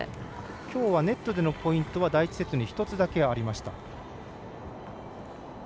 きょうはネットでのポイントは第１セットに１つだけありました。